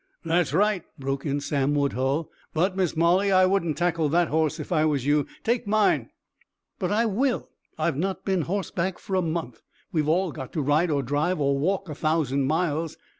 "That's right," broke in Sam Woodhull. "But, Miss Molly, I wouldn't tackle that horse if I was you. Take mine." "But I will! I've not been horseback for a month. We've all got to ride or drive or walk a thousand miles.